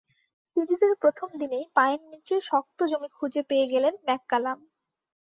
সিরিজের প্রথম দিনেই পায়ের নিচে শক্ত জমি খুঁজে পেয়ে গেলেন ম্যাককালাম।